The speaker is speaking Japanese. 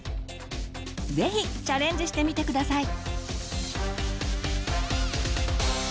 是非チャレンジしてみて下さい。